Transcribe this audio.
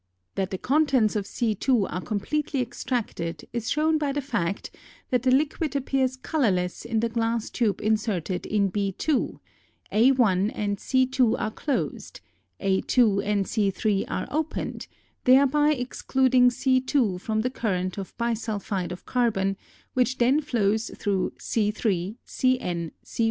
That the contents of C^2 are completely extracted is shown by the fact that the liquid appears colorless in the glass tube inserted in _b_^2; _a_^1 and C^2 are closed; _a_^2 and C^3 are opened, thereby excluding C^2 from the current of bisulphide of carbon which then flows through C^3C^nC^1.